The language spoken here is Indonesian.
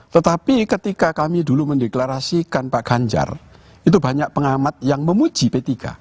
tetapi ketika kami dulu mendeklarasikan pak ganjar itu banyak pengamat yang memuji p tiga